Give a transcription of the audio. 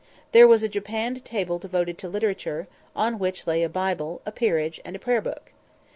There was a japanned table devoted to literature, on which lay a Bible, a Peerage, and a Prayer Book.